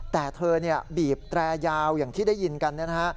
แต่เธอบีบแตรยาวอย่างที่ได้ยินกันนะฮะ